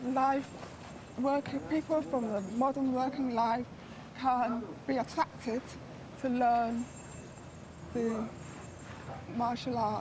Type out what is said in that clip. orang orang dari karya hidup modern bisa tertarik untuk belajar arti muslim